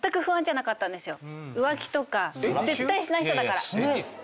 浮気とか絶対しない人だから。しないですよ。